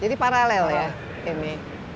jadi paralel ya ini